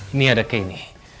ini ada kayak gini